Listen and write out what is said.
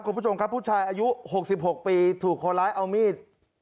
คุณผู้ชมครับผู้ชายอายุหกสิบหกปีถูกโคล้ล้ายเอามีด